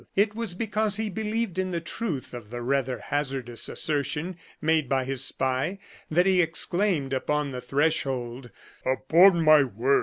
It was because he believed in the truth of the rather hazardous assertion made by his spy that he exclaimed, upon the threshold: "Upon my word!